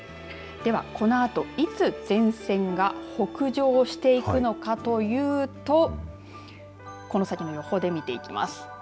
では、このあといつ前線が北上していくのかというとこの先の予報で見ていきます。